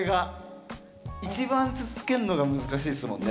一番続けんのが難しいですもんね。